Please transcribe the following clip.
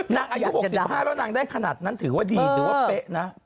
อายุ๖๕แล้วนางได้ขนาดนั้นถือว่าดีถือว่าเป๊ะนะ